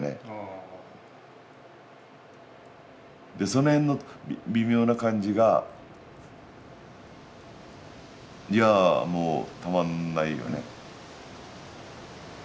そのへんの微妙な感じがいやもうたまんないよね。